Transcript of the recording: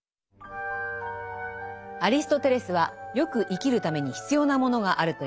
アリストテレスは善く生きるために必要なものがあると言います。